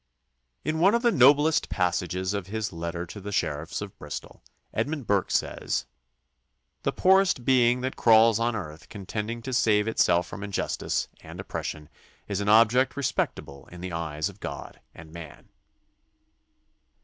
In one of the noblest passages of his letter to the sheriffs of Bristol Edmund Burke says: The poorest being that crawls on earth contending to save itself from injustice and oppression is an object respectable in the eyes of God and man.